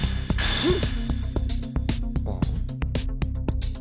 フン！